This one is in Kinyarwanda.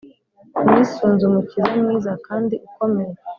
Nisunze umukiza mwiza kandi ukomeye